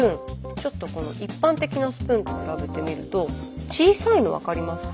ちょっとこの一般的なスプーンと比べてみると小さいの分かりますか？